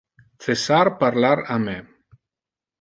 Cessar parlar a me.